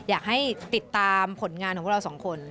อยากให้ติดตามผลงานของพวกเราสองคน